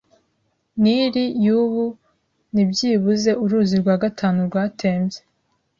Nili y'ubu ni byibuze uruzi rwa gatanu rwatembye